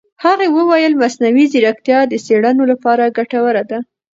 هغې وویل مصنوعي ځیرکتیا د څېړنو لپاره ګټوره ده.